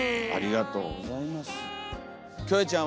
ありがとうございます。